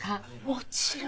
もちろん。